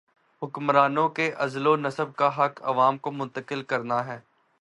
حکمرانوں کے عزل و نصب کا حق عوام کو منتقل کرنا ہے۔